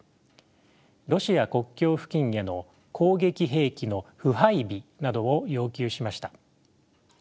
ロシア国境付近への攻撃兵器の不配備などを要求しました。